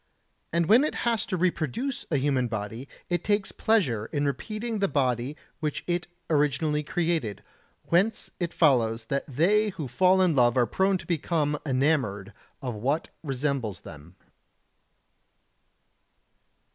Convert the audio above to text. And when it has to reproduce a human body, it takes pleasure in repeating the body which it originally created; whence it follows that they who fall in love are prone to become enamoured of what resembles them.